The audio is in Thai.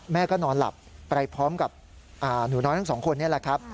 แม่ก็นอนหลับไปพร้อมกับหนูน้อยทั้งสองคนนี่แหละครับ